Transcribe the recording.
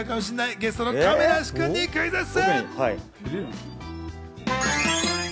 ゲストの亀梨君にクイズッス！